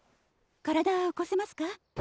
体起こせますか？